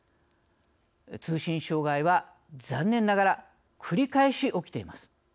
通信障害は残念ながら繰り返し起きています。